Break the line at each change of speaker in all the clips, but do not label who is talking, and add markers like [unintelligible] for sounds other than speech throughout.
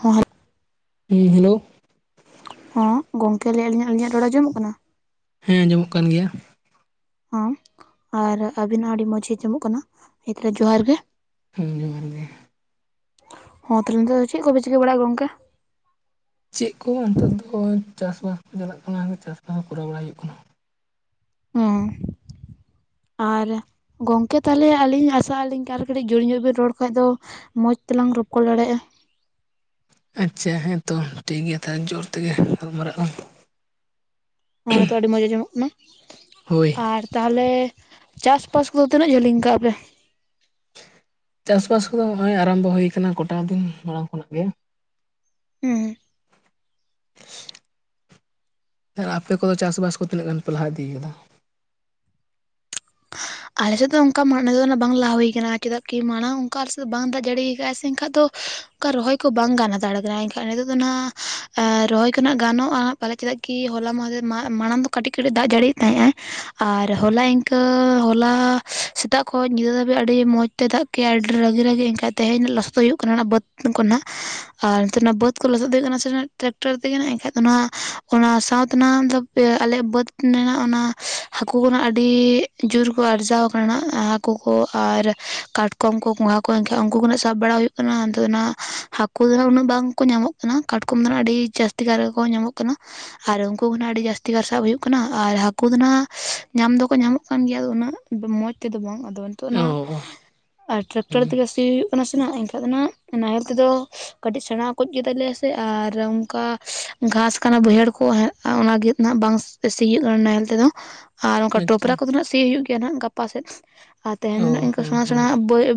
ᱦᱚ
ᱦᱮᱸ ᱦᱮᱞᱳ
ᱦᱚᱸ ᱜᱚᱝᱠᱮ ᱞᱟᱹᱭ ᱟᱹᱞᱤᱧᱟᱜ ᱟᱹᱞᱤᱧᱟᱜ ᱨᱚᱲ ᱟᱧᱡᱚᱢᱚᱜ ᱠᱟᱱᱟ?
ᱦᱮᱸ ᱟᱸᱡᱚᱢᱚᱜ ᱠᱟᱱ ᱜᱮᱭᱟ᱾
ᱦᱮ ᱟᱨ ᱟᱹᱵᱤᱱ ᱦᱚᱸ ᱟᱹᱰᱤ ᱢᱚᱸᱡᱽ ᱜᱮᱸᱡᱚᱢᱚᱜ ᱠᱟᱱᱟ ᱦᱮ ᱛᱟᱦᱚᱞᱮ ᱡᱚᱦᱟᱨ ᱜᱮ᱾
ᱦᱮᱸ ᱡᱚᱦᱟᱨ ᱜᱮ
ᱦᱚᱸ ᱛᱟᱦᱚᱞᱮ ᱱᱤᱛ ᱫᱚ ᱪᱮᱫ ᱠᱚᱯᱮ ᱪᱤᱠᱟᱹ ᱵᱟᱲᱟᱜᱼᱟ, ᱜᱚᱝᱠᱮ?
ᱪᱮᱫ ᱠᱚ ᱱᱤᱛᱚᱜ ᱫᱚ ᱪᱟᱥᱵᱟᱥ ᱠᱚ ᱪᱟᱞᱟᱜ ᱠᱟᱱᱟ ᱪᱟᱥᱵᱟᱥ ᱠᱚ ᱠᱚᱨᱟᱣ ᱵᱟᱲᱟᱟᱭ ᱦᱩᱭᱩᱜ ᱠᱟᱱᱟ᱾
ᱦᱮᱸ ᱟᱨ ᱜᱚᱢᱠᱮ ᱛᱟᱦᱚᱞᱮ ᱟᱹᱞᱤᱧ ᱟᱥᱟᱜ ᱟᱹᱞᱤᱧ ᱠᱟᱨ ᱠᱟᱹᱴᱤᱡ ᱡᱚᱨ ᱧᱚᱜ ᱵᱮᱱ ᱨᱚᱲ ᱠᱷᱟᱱᱡ ᱫᱚ ᱢᱚᱡᱽ ᱛᱮᱞᱟᱝ ᱨᱚᱯᱚᱲ ᱫᱟᱲᱮᱭᱟᱜᱼᱟ᱾
ᱟᱪᱪᱷᱟ ᱦᱮᱸ ᱛᱚ ᱴᱷᱤᱠ ᱜᱮᱭᱟ ᱛᱟᱦᱚᱞᱮ ᱡᱳᱨ ᱛᱮᱜᱮ ᱜᱟᱞᱢᱟᱨᱟᱜᱼᱟ᱾
ᱦᱚᱸᱜ ᱱᱤᱛᱚ ᱟᱹᱰᱤ ᱢᱚᱸᱚᱡ ᱟᱸᱡᱚᱢᱚᱜ ᱠᱟᱱᱟ
ᱦᱳᱭ
ᱟᱨ ᱛᱟᱦᱚᱞᱮ ᱪᱟᱥ-ᱵᱟᱥ ᱠᱚᱫᱚ ᱛᱤᱱᱟᱹᱜ ᱡᱷᱟᱹᱞᱤᱧ ᱠᱟᱜᱼᱟ ᱯᱮ?
ᱪᱟᱥ ᱵᱟᱥ ᱠᱚᱫᱚ ᱱᱚᱜ ᱚᱭ ᱟᱨᱟᱢᱵᱚ ᱦᱩᱭ ᱟᱠᱟᱱᱟ ᱜᱚᱴᱟ ᱫᱤᱱ ᱢᱟᱲᱟᱝ ᱠᱷᱚᱱᱟᱜ ᱜᱮ
ᱦᱮᱸ
[inaudible] ᱟᱯᱮ ᱠᱚᱫᱚ ᱪᱟᱥᱵᱟᱥ ᱠᱚ ᱛᱤᱱᱟᱹᱜ ᱜᱟᱱ ᱯᱮ ᱞᱟᱦᱟ ᱤᱫᱤᱭ ᱠᱟᱫᱟ?
[inaudible] ᱟᱞᱮ ᱥᱮᱫ ᱫᱚ ᱚᱱᱠᱟ ᱢᱮ ᱱᱟ ᱚᱱᱟ ᱵᱟᱝ ᱞᱟᱦ ᱦᱩᱭ ᱠᱟᱱᱟ ᱪᱮᱫᱟᱜ ᱠᱤ ᱢᱟᱲᱟᱝ ᱚᱱᱠᱟ ᱟᱞᱮ ᱥᱮ ᱫᱚ ᱵᱟᱝ ᱫᱟᱜ ᱡᱟᱹᱲᱤᱭᱟ ᱟᱠᱫᱼᱟ ᱥᱮ ᱮᱱᱠᱷᱟᱡ ᱫᱚ ᱚᱱᱠᱟ ᱨᱚᱦᱚᱭ ᱠᱚ ᱵᱟᱝ ᱜᱟᱱ ᱦᱟ ᱫᱟᱲᱮ ᱠᱟᱱᱟ ᱮᱱᱠᱷᱟᱱ ᱱᱤᱛᱚᱜ ᱫᱚ ᱦᱟᱜ ᱨᱚᱦᱚᱭ ᱠᱷᱚᱱᱟᱜ ᱜᱟᱱᱚᱜᱼᱟ᱾ ᱯᱟᱞ ᱪᱮᱫᱟᱜ ᱠᱤ ᱦᱚᱞᱟ ᱢᱟᱦ ᱨᱮ ᱢᱟᱲᱟᱝ ᱫᱚ ᱠᱟᱹᱴᱤᱡ ᱠᱟᱹᱴᱤᱡ ᱫᱟᱜ ᱡᱟᱹᱲᱤᱭ ᱛᱟᱦᱮᱸᱜ ᱟᱭ ᱟᱨ ᱦᱚᱞᱟᱤᱱ ᱠᱟ ᱦᱚᱞᱟ ᱥᱮᱛᱟᱜ ᱠᱷᱚᱱ ᱧᱤᱫᱟᱹ ᱫᱷᱟᱹᱵᱤᱡ ᱟᱹᱰᱤ ᱢᱚᱸᱡᱽ ᱛᱮ ᱫᱟᱜ ᱠᱮᱜ ᱟᱭ ᱟᱹᱰᱤ ᱨᱟᱹᱜᱤ ᱨᱟᱹᱜᱤ ᱮᱱᱠᱷᱟᱡ ᱛᱮᱦᱮᱧ ᱞᱚᱥᱚᱫ ᱦᱩᱭᱩᱜ ᱠᱟᱱᱟ ᱵᱟᱹᱫᱽ ᱠᱚ ᱱᱟᱦᱟᱜ ᱟᱨ ᱱᱤᱛᱚᱜ ᱚᱱᱟ ᱵᱟᱹᱫᱽ ᱠᱚ ᱞᱚᱥᱚᱫ ᱫᱚ ᱦᱩᱭᱩᱜ ᱠᱟᱱᱟ ᱥᱮ ᱴᱨᱟᱠᱴᱟᱨ ᱛᱮᱜᱮ ᱦᱟᱸᱜ ᱮᱱᱠᱷᱟᱡ ᱫᱚ ᱱᱚᱣᱟ ᱚᱱᱟ ᱥᱟᱶᱛᱮ ᱱᱟᱜ ᱫᱚ ᱟᱞᱮᱭᱟᱜ [inaudible] ᱵᱟᱹᱫᱽ ᱢᱮᱱᱟᱜᱼᱟ ᱚᱱᱟ ᱦᱟᱹᱠᱩ ᱠᱚᱱᱟᱜ ᱟᱹᱰᱤ [unintelligible] ᱡᱳᱨ ᱠᱚ ᱟᱨᱥᱟᱹᱣ ᱟᱠᱟᱱᱟ ᱦᱟᱹᱠᱩ ᱠᱚ ᱟᱨ ᱠᱟᱴᱠᱚᱢ ᱠᱚ ᱜᱚᱸᱜᱷᱟ ᱠᱚ ᱮᱱᱠᱷᱟᱱ ᱩᱱᱠᱩ ᱠᱚᱱᱟᱜ ᱥᱟᱵ ᱵᱟᱲᱟ ᱦᱩᱭᱩᱜ ᱠᱟᱱᱟ [unintelligible] ᱦᱟᱹᱠᱩ ᱫᱚ ᱦᱟᱜ ᱩᱱᱟᱹᱜ ᱵᱟᱝ ᱠᱚ ᱧᱟᱢᱚᱜ ᱠᱟᱱᱟ ᱠᱟᱴᱠᱚᱢ ᱫᱚ ᱱᱟᱦᱟᱜ ᱟᱹᱰᱤ ᱡᱟᱹᱥᱛᱤ ᱠᱟᱨ ᱜᱮᱠᱚ ᱧᱟᱢᱚᱜ ᱠᱟᱱᱟ ᱟᱨ ᱩᱱᱠᱩ ᱫᱚ ᱱᱟᱦᱟᱜ ᱟᱹᱰᱤ ᱡᱟᱹᱥᱛᱤ ᱠᱟᱨ ᱥᱟᱵ ᱦᱩᱭᱩᱜ ᱠᱟᱱᱟ ᱟᱨ ᱦᱟᱹᱠᱩ ᱫᱚ ᱦᱟᱜ ᱧᱟᱢ ᱫᱚᱠᱚ ᱧᱟᱢᱚᱜ ᱠᱟᱱᱟ ᱠᱟᱱ ᱜᱮᱭᱟ ᱩᱱᱟᱹᱜ ᱢᱚᱸᱡᱽ ᱛᱮᱫᱚ ᱵᱟᱝ ᱟᱫᱚ ᱱᱤᱛᱚᱜ
ᱚ
ᱱᱚᱣᱟ
ᱚ
ᱟᱨ ᱴᱨᱟᱠᱴᱟᱨ
ᱦᱮᱸ
ᱛᱮᱜᱮ ᱥᱤ ᱦᱩᱭᱩᱜ ᱠᱟᱱᱟ ᱥᱮ ᱮᱱᱠᱟᱱ ᱫᱚ ᱱᱟᱦᱟᱜ ᱱᱟᱦᱮᱞ ᱛᱮᱫᱚ ᱠᱟᱹᱴᱤᱡ ᱥᱮᱬᱟ ᱠᱚᱡ ᱜᱮᱛᱟ ᱞᱮᱭᱟ ᱥᱮ ᱟᱨ ᱚᱱᱠᱟ ᱜᱷᱟᱥ ᱠᱟᱱᱟ ᱵᱟᱹᱭᱦᱟᱹᱲ ᱠᱚ ᱚᱱᱟ ᱜᱮ ᱱᱟᱜ ᱵᱟᱝ ᱥᱤᱭᱩᱜ ᱠᱟᱱᱟ ᱱᱟᱦᱮᱞ ᱛᱮᱫᱚ ᱟᱨ ᱚᱱᱠᱟ
ᱟᱪᱪᱷᱟ
ᱴᱚᱯᱨᱟ ᱠᱚᱫᱚ ᱱᱟᱦᱟᱜ ᱥᱤ ᱦᱩᱭᱩᱜ ᱜᱮᱭᱟ ᱱᱟᱦᱟᱜ ᱜᱟᱯᱟ ᱥᱮᱫ ᱟᱨ ᱛᱮᱦᱮᱱ
ᱚ
ᱫᱚ ᱤᱱᱠᱟᱹ
ᱦᱮᱸ
ᱥᱮᱲᱟ
ᱦᱮᱸ
ᱥᱮᱲᱟ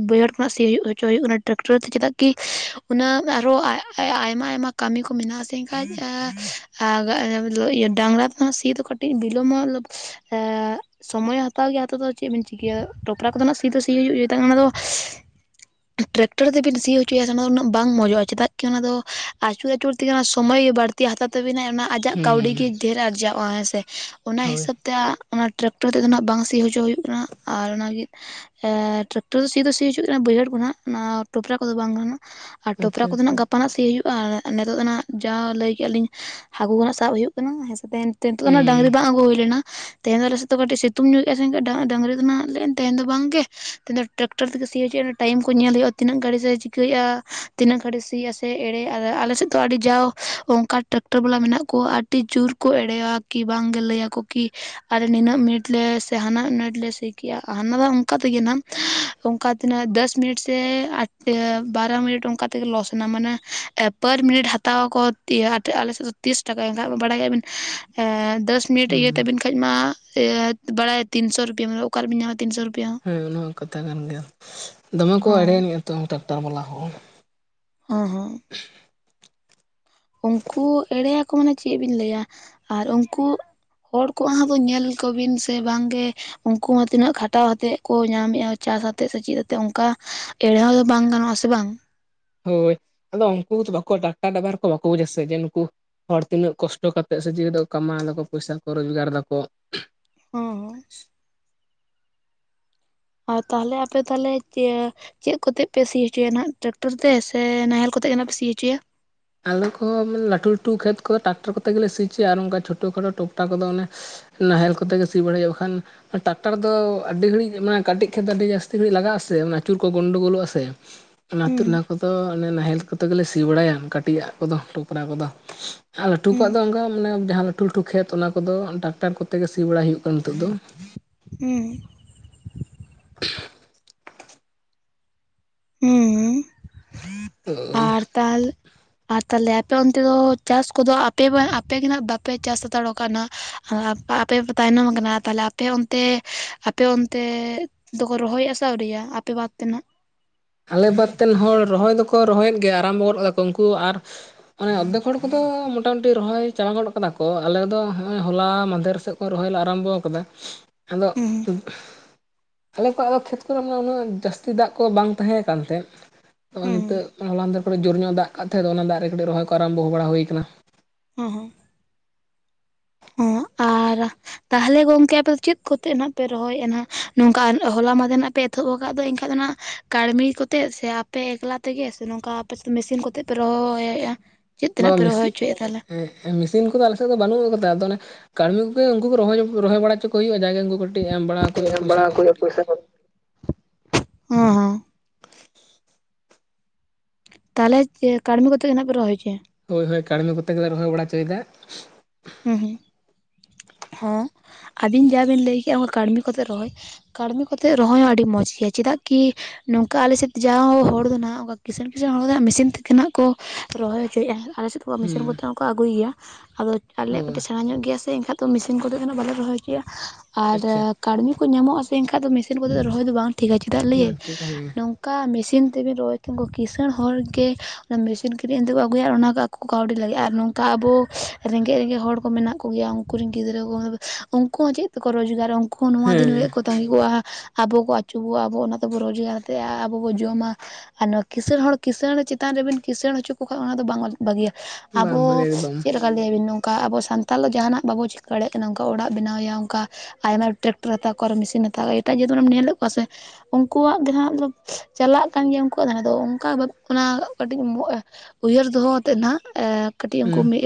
ᱵᱟᱹᱭᱦᱟᱹᱲ ᱠᱷᱚᱱᱟᱜ ᱥᱤᱭ ᱦᱩᱭᱩᱜᱼᱟ [unintelligible] ᱦᱩᱭᱩᱜ ᱠᱟᱱᱟ ᱴᱨᱟᱠᱴᱚᱨ ᱛᱮ ᱪᱮᱫᱟᱜ ᱠᱤ ᱩᱱᱟᱹᱜ ᱟᱨ ᱦᱚᱸ ᱟᱭᱢᱟ ᱟᱭᱢᱟ ᱠᱟᱹᱢᱤ ᱠᱚ ᱢᱮᱱᱟᱜ-ᱟ ᱥᱮ ᱰᱟᱝᱨᱟ ᱛᱮᱫᱚ ᱥᱤ ᱫᱚ ᱠᱟᱹᱴᱤᱡ ᱵᱤᱞᱚᱢᱚᱜ ᱮ [unintelligible] ᱥᱚᱢᱚᱭ ᱦᱟᱛᱟᱣ ᱜᱮᱭᱟ ᱦᱟᱛᱟᱣ ᱫᱚ ᱪᱮᱫ ᱵᱤᱱ ᱪᱤᱠᱟᱹᱭᱟ ᱴᱚᱯᱨᱟ ᱠᱚᱫᱚ ᱱᱟᱦᱟᱜ ᱥᱤ ᱫᱚ ᱥᱤ ᱦᱩᱭᱩᱜ ᱜᱮᱭᱟ ᱚᱱᱟ ᱫᱚ [unintelligible] ᱴᱨᱟᱠᱴᱚᱨ ᱛᱮᱵᱤᱱ ᱥᱤ ᱦᱚᱪᱚᱭᱟ ᱚᱱᱟ ᱫᱚ ᱩᱱᱟᱹᱜ ᱵᱟᱝ ᱢᱚᱡᱚᱜᱼᱟ ᱪᱮᱫᱟᱜ ᱠᱤ ᱚᱱᱟᱫᱚ ᱟᱪᱩᱨ ᱟᱪᱩᱨ ᱛᱮᱜᱮ ᱚᱱᱟ ᱥᱚᱢᱚᱭ ᱜᱮ ᱵᱟᱹᱲᱛᱤ ᱛᱤ ᱦᱟᱛᱟᱣ ᱛᱟᱹᱵᱤᱱᱟᱭ ᱚᱱᱟ ᱟᱡᱟᱜ ᱠᱟᱹᱣᱰᱤ
ᱦᱮᱸ
ᱜᱮ ᱰᱷᱮᱨ ᱟᱨᱡᱟᱣᱼᱟ ᱦᱮᱸ ᱥᱮ ᱚᱱᱟ
ᱦᱳᱭ
ᱦᱤᱥᱟᱹᱵᱽ ᱛᱮ ᱚᱱᱟ ᱴᱨᱟᱠᱴᱚᱨ ᱛᱮᱫᱚ ᱱᱟᱦᱟᱜ ᱵᱟᱝ ᱥᱤ ᱦᱚᱪᱚ ᱦᱩᱭᱩᱜ ᱠᱟᱱᱟ ᱟᱨ ᱚᱱᱟ ᱜᱮ ᱴᱨᱟᱠᱴᱟᱨ ᱫᱚ ᱥᱤ ᱫᱚ ᱥᱤ ᱦᱚᱪᱚ ᱦᱩᱭᱩᱜ ᱠᱟᱱᱟ ᱵᱟᱹᱭᱦᱟᱹᱲ ᱠᱚ ᱱᱟᱦᱟᱜ ᱴᱚᱯᱨᱟ ᱠᱚᱫᱚ ᱵᱟᱝ ᱜᱮᱱᱟᱜ ᱟᱨ
ᱟᱪᱪᱷᱟ
ᱴᱚᱯᱨᱟ ᱠᱚᱫᱚ
ᱟᱪᱪᱷᱟ
ᱱᱟᱦᱟᱜ ᱜᱟᱯᱟ ᱱᱟᱦᱟᱜ ᱥᱤ ᱦᱩᱭᱩᱜᱼᱟ ᱟᱨ ᱱᱤᱛᱚᱜ ᱫᱚ ᱱᱟᱦᱟᱜ ᱡᱟᱦᱟᱸ ᱞᱟᱹᱭ ᱠᱮᱫᱼᱟ ᱞᱤᱧ ᱦᱟᱹᱠᱩ ᱠᱚᱦᱟᱜ ᱥᱟᱵ ᱦᱩᱭᱩᱜᱼᱟ ᱦᱮᱸ ᱥᱮ ᱱᱤᱛ ᱫᱚ
ᱦᱮᱸ
ᱰᱟᱝᱨᱤ ᱵᱟᱝ ᱟᱹᱜᱩ ᱦᱩᱭ ᱞᱮᱱᱟ ᱛᱮᱦᱮᱧ ᱫᱚ ᱟᱞᱮ ᱥᱮᱫᱼᱼ ᱚ ᱠᱟᱹᱴᱤᱡ ᱥᱤᱛᱩ ᱧᱚᱜ ᱮᱫᱟ ᱥᱮ ᱰᱟᱝᱨᱤ ᱫᱚ ᱱᱟᱦᱟᱜ ᱞᱮᱱ ᱛᱟᱦᱮᱱ ᱫᱚ ᱵᱟᱝ ᱜᱮ ᱢᱮᱱ ᱫᱚ ᱴᱨᱟᱠᱴᱟᱨ ᱛᱮᱜᱮ ᱥᱤᱭ ᱦᱚᱪᱚᱭᱟ ᱴᱟᱭᱤᱢ ᱠᱚ ᱧᱮᱞ ᱦᱩᱭᱩᱜᱼᱟ ᱛᱤᱱᱟᱹᱜ ᱜᱷᱟᱹᱲᱤᱡ ᱮ ᱪᱤᱠᱟᱹᱭᱮᱫᱼᱟ ᱛᱤᱱᱟᱹᱜ ᱜᱷᱟᱹᱲᱤᱡ ᱥᱤᱭᱟᱥᱮ ᱮᱲᱮ ᱟᱞᱮᱥᱮᱫ ᱫᱚ ᱟᱹᱰᱤ ᱡᱟᱣ ᱚᱱᱠᱟ ᱴᱨᱟᱠᱴᱟᱨ ᱴᱨᱟᱠᱴᱨ ᱵᱟᱞᱟ ᱢᱮᱱᱟᱜ ᱠᱚᱣᱟ ᱟᱹᱰᱤ ᱡᱳᱨ ᱠᱚ ᱮᱲᱮᱭᱟ ᱠᱤ ᱵᱟᱝ ᱜᱮ ᱞᱟᱹᱭᱟ ᱠᱚ ᱠᱤ ᱱᱤᱱᱟᱹᱜ ᱢᱤᱱᱤᱴ ᱞᱮ ᱥᱮ ᱦᱟᱱᱟᱜ ᱢᱤᱱᱤᱴ ᱞᱮ ᱥᱤ ᱠᱮᱜᱼᱟ ᱦᱟᱱᱟ ᱫᱚ ᱚᱱᱠᱟ ᱛᱮᱜᱮ ᱱᱟᱜ ᱚᱱᱠᱟ ᱛᱤᱱᱟᱹᱜ ᱫᱚᱥ ᱢᱤᱱᱤᱴ ᱥᱮ ᱵᱟᱨᱚ ᱢᱤᱱᱤᱴ ᱚᱱᱠᱟ ᱛᱮᱜᱮ ᱞᱚᱥ ᱮᱱᱟ ᱢᱟᱱᱮ ᱯᱟᱨ ᱢᱤᱱᱤᱴ ᱦᱟᱛᱟᱣ ᱟᱠᱚ ᱟᱞᱮ ᱥᱮᱫ ᱫᱚ ᱛᱤᱨᱤᱥ ᱴᱟᱠᱟ ᱮᱱᱠᱷᱟᱱ ᱵᱟᱲᱟᱭ ᱠᱟᱜ ᱵᱤᱱ ᱫᱚᱥ ᱢᱤᱴᱤᱡ [inaudible] ᱤᱭᱟᱹ
ᱦᱮᱸ
ᱛᱟᱵᱮᱱ ᱠᱷᱟᱱ ᱢᱟ ᱵᱟᱲᱟᱭᱟ ᱛᱤᱱᱥᱚ ᱨᱩᱯᱤᱭᱟ ᱢᱟᱱᱮ ᱚᱠᱟᱨ ᱨᱮᱵᱮᱱ ᱧᱟᱢᱟ ᱛᱤᱱᱥᱚ ᱨᱩᱯᱤᱭᱟ ᱦᱚᱸ
ᱦᱮᱸ ᱚᱱᱟ ᱠᱟᱛᱷᱟ ᱠᱟᱱ ᱜᱮᱭᱟ ᱫᱚᱢᱮ ᱠᱚ
ᱦᱚᱸ
ᱮᱲᱮᱭᱱᱤᱡ ᱟ ᱛᱚ ᱴᱨᱟᱠᱴᱟᱨ ᱵᱟᱞᱟ ᱦᱚ
ᱦᱮᱸ ᱦᱮᱸ ᱩᱱᱠᱩ ᱮᱲᱮᱭᱟᱠᱚᱼᱼ ᱢᱟᱱᱮ ᱪᱮᱫ ᱵᱤᱱ ᱞᱟᱹᱭᱟ ᱟᱨ ᱩᱱᱠᱩ ᱦᱚᱲ ᱠᱚᱣᱟᱜ ᱦᱚᱸ ᱧᱮᱞ ᱠᱚᱵᱤᱱ ᱥᱮ ᱵᱟᱝ ᱜᱮ ᱩᱱᱠᱩ ᱦᱚᱸ ᱛᱤᱱᱟᱹᱜ ᱠᱷᱟᱴᱟᱣ ᱟᱛᱮᱜ ᱠᱚ ᱧᱟᱢ ᱮᱫᱟ ᱪᱟᱥ ᱟᱛᱮᱜ ᱥᱮ ᱪᱮᱫ ᱟᱛᱮᱜ ᱚᱱᱠᱟ ᱮᱲᱮ [inaudible] ᱦᱚᱸ ᱫᱚ ᱵᱟᱝ ᱜᱟᱱᱚᱜ ᱟᱥᱮ ᱵᱟᱝ
ᱦᱳᱭ ᱟᱫᱚ ᱩᱱᱠᱩ ᱵᱟᱠᱚ ᱴᱟᱠᱴᱟᱨ ᱰᱟᱵᱟᱨ ᱠᱚ ᱵᱟᱠᱚ ᱵᱩᱡ ᱟᱥᱮ ᱡᱮ ᱱᱩᱠᱩ ᱦᱚᱲ ᱛᱤᱱᱟᱹᱜ ᱠᱚᱥᱴᱚ ᱠᱟᱛᱮᱫ ᱥᱮ ᱪᱤᱠᱟᱹ ᱠᱟᱛᱮᱫ ᱠᱚ ᱠᱟᱢᱟᱣ ᱫᱟᱠᱚ ᱯᱚᱭᱥᱟ ᱠᱚ ᱨᱳᱡᱽᱜᱟᱨ ᱫᱟᱠᱚ?
ᱦᱮᱸ [inaudible] ᱟᱨ ᱛᱟᱦᱚᱞᱮ ᱟᱯᱮ ᱛᱟᱦᱚᱞᱮ ᱪᱮᱫ ᱠᱚᱛᱮ ᱯᱮ ᱥᱤ ᱦᱚᱪᱚᱭᱟ ᱱᱟᱦᱟᱜ ᱴᱮᱨᱟᱠᱴᱚᱨ ᱛᱮ ᱥᱮ ᱱᱟᱦᱮᱞ ᱠᱚᱛᱮ ᱜᱮ ᱱᱟᱜ ᱯᱮ ᱥᱤ ᱦᱚᱪᱚᱭᱟ
ᱟᱞᱮ ᱠᱚᱦᱚᱸ ᱞᱟᱹᱴᱩ ᱞᱟᱹᱴᱩ ᱠᱷᱮᱛ ᱠᱚᱫᱚ ᱴᱨᱟᱠᱴᱟᱨ ᱠᱚᱛᱮ ᱜᱮᱞᱮ ᱥᱤ ᱦᱚᱪᱚᱭᱟ ᱟᱨ ᱚᱱᱠᱟ ᱪᱷᱳᱴᱳ ᱠᱷᱟᱴᱳ ᱴᱳᱠᱴᱟ ᱠᱚ ᱚᱱᱮ ᱱᱟᱦᱮᱞ ᱠᱚᱛᱮ ᱜᱮ ᱥᱤ ᱵᱟᱲᱟᱭ ᱦᱳᱭᱳᱜ ᱠᱷᱟᱱ ᱴᱟᱠᱴᱟᱨ ᱫᱚ ᱟᱹᱰᱤ ᱜᱷᱟᱹᱲᱤᱡ ᱢᱟᱱᱮ ᱠᱟᱹᱴᱤᱡ ᱠᱷᱮᱛ ᱫᱚ ᱟᱹᱰᱤ ᱡᱟᱹᱥᱛᱤ ᱜᱷᱟᱹᱲᱤᱡ ᱞᱟᱜᱟᱜᱼᱟ ᱥᱮ ᱟᱹᱪᱩᱨ ᱠᱚ ᱜᱚᱸᱱᱰᱳ ᱜᱳᱞᱳᱜᱼᱟ ᱥᱮ
[inaudible]
ᱚᱱᱟᱛᱮ ᱚᱱᱟ ᱠᱚᱫᱚ ᱱᱟᱦᱮᱞ ᱠᱚᱛᱮ ᱜᱮᱞᱮ ᱥᱤ ᱵᱟᱲᱟᱭᱟ ᱠᱟᱹᱴᱤᱡᱟᱻᱜ ᱠᱚᱫᱚ ᱴᱚᱯᱨᱟ ᱠᱚᱫᱚ [unintelligible] ᱟᱨ ᱞᱟᱹᱴᱩ
ᱦᱩᱸ
ᱠᱚᱣᱟᱜ ᱫᱚ ᱚᱱᱠᱟ ᱢᱟᱱᱮ ᱡᱟᱦᱟᱸ ᱞᱟᱹᱴᱩ ᱞᱟᱹᱴᱩ ᱠᱷᱮᱛ ᱚᱱᱟ ᱠᱚᱫᱚ ᱴᱟᱠᱴᱟᱨ ᱠᱚᱛᱮ ᱜᱮ ᱥᱤ ᱵᱟᱲᱟᱭ ᱦᱩᱭᱩᱜ ᱠᱟᱱᱟ ᱱᱤᱛᱚᱜ ᱫᱚ
ᱦᱮᱸ [unintelligible]
[inaudible]
ᱦᱩᱸ ᱦᱩᱸ
ᱳᱭ
ᱟᱨ ᱛᱟᱦᱞᱼᱼ ᱟᱨ ᱛᱟᱦᱚᱞᱮ ᱟᱯᱮ ᱚᱱᱛᱮ ᱫᱚ ᱪᱟᱥ ᱠᱚᱫᱚ ᱟᱯᱮ ᱟᱯᱮ ᱜᱮ ᱱᱟᱜ ᱵᱟᱯᱮ ᱪᱟᱥ ᱦᱟᱛᱟᱲᱚᱜ ᱠᱟᱱᱟ ᱟᱯᱮ ᱯᱮ ᱛᱟᱭᱱᱚᱢ ᱠᱟᱱᱟ ᱛᱟᱦᱚᱞᱮ ᱟᱯᱮ ᱦᱚ ᱚᱱᱛᱮ ᱟᱯᱮ ᱚᱱᱛᱮ ᱟᱫᱚ ᱠᱚ ᱨᱚᱦᱚᱭᱮᱜ-ᱟ ᱥᱮ ᱟᱣᱨᱤ ᱟᱯᱮ ᱵᱟᱫ ᱛᱮ ᱱᱟᱜ
ᱟᱞᱮ ᱵᱟᱫᱛᱮᱱ ᱦᱚᱲ ᱨᱚᱦᱚᱭ ᱫᱚᱠᱚ ᱨᱚᱦᱚᱭᱮᱫ ᱜᱮᱭᱟ ᱟᱨᱟᱢᱵᱚ ᱜᱚᱫ ᱮᱫᱟ ᱠᱚ ᱩᱱᱠᱩ ᱟᱨ ᱚᱱᱮ ᱚᱫᱽᱫᱮᱠ ᱦᱚᱲ ᱠᱚᱫᱚ ᱢᱚᱴᱟᱢᱩᱴᱤ ᱨᱚᱦᱚᱭ ᱪᱟᱵᱟ ᱜᱚᱫᱚᱜ ᱠᱟᱱᱟ ᱠᱚ ᱟᱞᱮ ᱫᱚ ᱱᱚᱜᱼᱚᱭ ᱦᱚᱞᱟ ᱢᱟᱫᱷᱮᱨ ᱥᱮᱫ ᱨᱚᱦᱚᱭ ᱞᱮ ᱟᱨᱟᱢᱵᱚ ᱠᱟᱫᱟ
[inaudible]
ᱟᱫᱚ [unintelligible] ᱟᱞᱮ ᱠᱚᱣᱟᱜ ᱫᱚ ᱠᱷᱮᱛ ᱠᱚᱨᱮ ᱩᱱᱟᱹᱜ ᱡᱟᱹᱥᱛᱤ ᱫᱟᱜ ᱠᱚ ᱵᱟᱝ ᱛᱟᱦᱮᱸ ᱠᱟᱱᱛᱮ ᱱᱚᱜ
ᱦᱩᱸ
ᱱᱤᱛᱚᱜ ᱡᱳᱨ ᱧᱚᱜ ᱫᱟᱜ ᱠᱟᱜ ᱛᱟᱦᱮᱸ ᱫᱚ ᱚᱱᱟ ᱫᱟᱜ ᱨᱮ ᱠᱟᱹᱴᱤᱡ ᱨᱚᱦᱚᱭ ᱠᱚ ᱟᱨᱟᱵᱷ ᱦᱩᱭ ᱠᱟᱱᱟ
ᱦᱚᱸ ᱦᱚᱸ ᱟᱨ ᱛᱟᱦᱚᱞᱮ ᱜᱚᱝᱠᱮ ᱟᱯᱮ ᱪᱮᱫ ᱠᱚᱛᱮ ᱱᱟᱜ ᱯᱮ ᱨᱚᱦᱚᱭᱮᱫᱱᱟ ᱱᱚᱝᱠᱟ ᱦᱚᱞᱟ ᱢᱟᱫᱮ ᱱᱟᱜ ᱯᱮ ᱛᱷᱳᱜ ᱟᱠᱟᱫ ᱫᱚ ᱮᱱᱠᱷᱟᱡ ᱫᱚ ᱱᱟᱜ ᱠᱟᱹᱲᱢᱤ ᱠᱚᱛᱮ ᱥᱮ ᱟᱯᱮ ᱮᱠᱞᱟ ᱛᱮᱜᱮ ᱥᱮ ᱱᱚᱝᱠᱟ ᱟᱯᱮ ᱢᱮᱥᱤᱱ ᱠᱚᱛᱮ ᱯᱮ ᱨᱚᱦᱚᱻᱭᱮᱫᱼᱟ?
ᱵᱟ ᱢᱮᱥᱤᱱ, ᱢᱮᱥᱤᱱ ᱠᱚᱫᱚ ᱟᱞᱮᱥᱮᱫ ᱫᱚ ᱵᱟᱹᱱᱩᱜ ᱠᱟᱫᱟ ᱟᱫᱚ ᱚᱱᱮ ᱠᱟᱹᱲᱢᱤ ᱠᱚᱜᱮ ᱩᱱᱠᱩ ᱠᱚ ᱨᱚᱦ ᱨᱚᱦᱚᱭ ᱵᱟᱲᱟ ᱦᱚᱪᱚ ᱠᱚ ᱦᱩᱭᱩᱜ-ᱟ ᱡᱟᱜᱮ ᱩᱱᱠᱩ ᱠᱟᱹᱴᱤᱡ ᱮᱢ ᱵᱟᱲᱟ ᱟᱠᱣᱟ᱾
ᱮᱢ ᱵᱟᱲᱟ ᱟᱠᱚ ᱯᱩᱭᱥᱟ ᱠᱚ ᱦᱚᱸ, ᱦᱮᱸ ᱦᱮᱸ ᱛᱟᱦᱚᱞᱮ ᱪᱮ ᱠᱟᱹᱲᱢᱤ ᱠᱚ ᱠᱟᱛᱮᱜ ᱱᱟᱜ ᱯᱮ ᱨᱚᱦᱚᱭ ᱦᱚᱪᱚᱭᱟ?
ᱦᱳᱭ ᱦᱳᱭ ᱠᱟᱹᱲᱢᱤ ᱠᱚᱛᱮ ᱜᱮᱞᱮ ᱨᱚᱦᱚᱭ ᱵᱟᱲᱟ ᱦᱚᱪᱚᱭᱮᱫᱟ
ᱦᱩᱸ ᱦᱩᱸ ᱦᱚᱸ ᱟᱹᱵᱤᱱ ᱡᱟᱵᱤᱱ ᱞᱟᱹᱭ ᱠᱮᱫ ᱠᱟᱹᱲᱢᱤ ᱠᱚᱛᱮ ᱨᱚᱦᱚᱭ ᱠᱟᱹᱲᱢᱤ ᱠᱚ ᱠᱟᱛᱮᱫ ᱨᱚᱦᱚᱭ ᱦᱚᱸ ᱟᱹᱰᱤ ᱢᱚᱡᱽ ᱜᱮᱭᱟ ᱪᱮᱫᱟᱜ ᱠᱤ ᱱᱚᱝᱠᱟ ᱟᱞᱮ ᱥᱮᱫ ᱡᱟ ᱦᱚᱲ ᱫᱚ ᱦᱟᱸᱜ ᱚᱱᱠᱟ ᱠᱤᱸᱥᱬ ᱠᱤᱸᱟᱹᱬ ᱦᱚᱲ ᱫᱚ ᱦᱟᱜ ᱢᱤᱥᱤᱱ ᱛᱮᱜᱮ ᱱᱟᱜ ᱠᱚ ᱨᱚᱦᱚᱭ ᱦᱚᱪᱚᱭᱮᱫᱼᱟ ᱟᱞᱮ ᱥᱮᱫ ᱢᱮᱥᱤᱱ
ᱦᱩᱸ
ᱠᱚᱛᱮ ᱦᱚᱸᱠᱚ ᱟᱹᱜᱩᱭ ᱜᱮᱭᱟ ᱟᱫᱚ ᱟᱞᱮᱭᱟᱜ
ᱚ
ᱠᱟᱹᱴᱤᱡ ᱥᱮᱬᱟ ᱧᱚᱜ ᱜᱮᱭᱟ ᱥᱮ ᱮᱱᱠᱟᱱ ᱫᱚ ᱢᱮᱥᱤᱱ ᱠᱚᱛᱮᱫ ᱫᱚ ᱵᱟᱞᱮ ᱨᱚᱦᱚᱭ ᱦᱚᱪᱚᱭᱟ
ᱟᱪᱪᱷᱟ
ᱟᱨ ᱠᱟᱹᱲᱢᱤ ᱠᱚ ᱧᱟᱢᱚᱜᱼᱟ ᱥᱮ ᱮᱱᱠᱷᱟᱡ ᱫᱚ ᱢᱤᱥᱤᱱ ᱠᱚᱛᱮ ᱫᱚ ᱨᱚᱦᱚᱭ ᱫᱚ ᱵᱟᱝ ᱴᱷᱤᱠᱟ ᱪᱮᱫᱟᱜ
ᱵᱟᱝ
ᱞᱟᱹᱭᱮᱧ
ᱴᱷᱤᱠ ᱦᱮᱸ
ᱚᱱᱠᱟ ᱢᱮᱥᱤᱱ ᱛᱮᱵᱤᱱ ᱨᱚᱦᱚᱭ ᱠᱷᱟᱱ ᱠᱤᱸᱥᱟᱹᱬ ᱦᱚᱲ ᱜᱮ ᱚᱱᱟ ᱢᱮᱥᱤᱱ ᱠᱤᱨᱤᱧ ᱛᱮ ᱠᱚ ᱟᱹᱜᱩᱭᱟ ᱟᱨ ᱚᱱᱟ ᱠᱚ ᱠᱟᱹᱣᱰᱤ ᱞᱟᱹᱜᱤᱫ ᱟᱨ ᱱᱚᱝᱠᱟ ᱟᱵᱚ ᱨᱮᱸᱜᱮᱡ, ᱨᱮᱸᱜᱮᱡ ᱦᱚᱲ ᱠᱚ ᱢᱮᱱᱟᱜ ᱠᱚᱜᱭᱟ ᱩᱱᱠ ᱨᱮᱱ ᱜᱤᱫᱽᱨᱟᱹ ᱠᱚ ᱩᱱᱠᱩ ᱦᱚᱸ ᱪᱮᱫ ᱛᱮᱠᱚ ᱨᱚᱡᱽᱜᱟᱨᱟ? ᱠᱚ ᱱᱚᱶᱟ ᱫᱤᱱ
ᱦᱮᱸ
ᱦᱳᱭᱳᱜ ᱠᱚ ᱛᱟᱸᱜᱤ ᱠᱚᱜ-ᱟ ᱟᱵᱚ ᱠᱚ ᱟᱹᱪᱩᱜ-ᱟ ᱟᱵᱚ ᱚᱱᱟ ᱛᱮᱵᱚ ᱨᱚᱡᱽᱜᱟᱨ ᱛᱮ ᱟᱵᱚ ᱵᱚ ᱡᱚᱢᱟ ᱟᱨ ᱱᱚᱣᱟ ᱠᱤᱸᱟᱹᱬ ᱦᱚᱲ ᱠᱤᱸᱥᱟᱹᱬ ᱪᱮᱛᱟᱱ ᱨᱮᱵᱤᱱ ᱠᱤᱸᱟᱹᱬ ᱦᱚᱪᱚ ᱠᱚ ᱠᱷᱟᱡ ᱚᱱᱟ ᱫᱚ ᱵᱟᱝ ᱵᱷᱟᱹᱜᱤᱭᱟ
ᱵᱟᱝ ᱵᱷᱟᱜᱮ
ᱟᱵᱚ
ᱮᱠᱫᱚᱢ
ᱪᱮᱫ ᱞᱮᱠ ᱞᱟᱹᱭᱵᱤᱱ ᱱᱚᱝᱠᱟ ᱟᱵᱚ ᱥᱟᱱᱛᱟᱞ ᱫᱚ ᱡᱟᱦᱟᱱᱟᱜ ᱵᱟᱵᱚ ᱪᱤᱠᱟᱹ ᱫᱟᱲᱮᱭᱟᱜ ᱠᱟᱱᱟ ᱚᱝᱠᱟ ᱚᱲᱟᱜ ᱵᱮᱱᱟᱣᱮᱭᱟ ᱚᱱᱠᱟ ᱟᱭᱢᱟ ᱴᱨᱟᱠᱴᱟᱨ ᱦᱟᱛᱟᱣ ᱠᱚᱣᱟ ᱟᱨ ᱢᱮᱥᱤᱱ ᱦᱟᱛᱟᱣ ᱠᱚᱣᱟ ᱮᱴᱟᱜ ᱡᱟᱹᱛ ᱠᱚᱢ ᱧᱮᱞᱮᱫ ᱠᱚᱣᱟ ᱥᱮ? ᱩᱱᱠᱩᱣᱟᱜ ᱜᱮ ᱦᱟᱸᱜ ᱪᱟᱞᱟᱜ ᱠᱟᱱ ᱜᱮᱭᱟ ᱫᱷᱟᱨᱮ ᱫᱚ ᱩᱱᱠᱩᱣᱟᱜ ᱟᱫᱚ ᱚᱱᱠᱟ ᱚᱱᱟ ᱠᱟᱹᱴᱤᱡ ᱩᱭᱦᱟᱹᱨ ᱫᱚᱦᱚ ᱟᱛᱮᱫ ᱱᱟᱜ ᱠᱟᱹᱴᱤᱡ ᱩᱱᱠᱩ
ᱦᱩᱸ
ᱢᱤᱫ